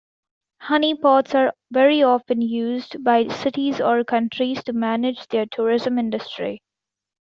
Honeypots are very often used by cities or countries to manage their tourism industry.